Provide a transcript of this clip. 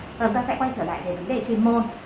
rồi chúng ta sẽ quay trở lại đến vấn đề chuyên môn